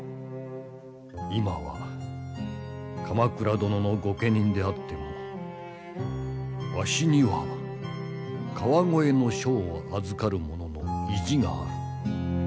今は鎌倉殿の御家人であってもわしには河越の庄を預かる者の意地がある。